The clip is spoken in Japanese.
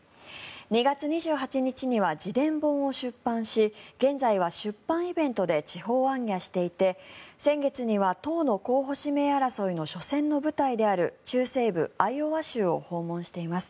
２月２８日には自伝本を出版し現在は出版イベントで地方行脚していて先月には党の候補指名争いの初戦の舞台である中西部アイオワ州を訪問しています。